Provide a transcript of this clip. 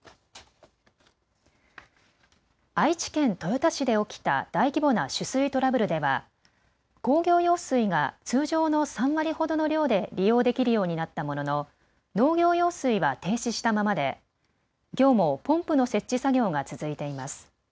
愛知県豊田市で起きた大規模な取水トラブルでは工業用水が通常の３割ほどの量で利用できるようになったものの農業用水は停止したままできょうもポンプの設置作業が続いています。